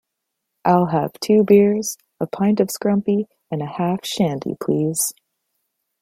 I'll have two beers, a pint of scrumpy and half a shandy please